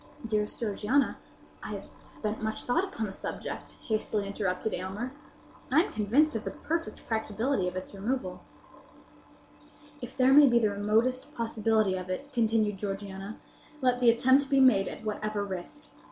"Dearest Georgiana, I have spent much thought upon the subject," hastily interrupted Aylmer. "I am convinced of the perfect practicability of its removal." "If there be the remotest possibility of it," continued Georgiana, "let the attempt be made at whatever risk.